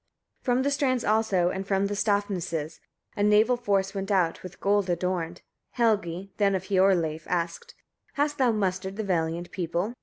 23. From the strands also, and from Stafnsnes, a naval force went out, with gold adorned. Helgi then of Hiorleif asked: "Hast thou mustered the valiant people?"